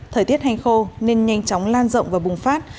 thời tiết hành khô nên nhanh chóng lan rộng và bùng phát